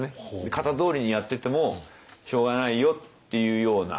型どおりにやっててもしょうがないよっていうような。